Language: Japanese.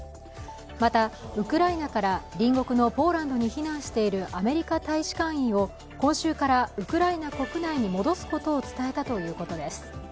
また、ウクライナから隣国のポーランドに避難しているアメリカ大使館員を今週からウクライナ国内に戻すことを伝えたということです。